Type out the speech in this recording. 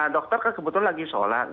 dokter kebetulan lagi sholat